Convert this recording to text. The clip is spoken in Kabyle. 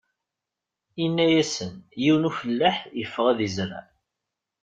Inna-asen: Yiwen n ufellaḥ iffeɣ ad izreɛ.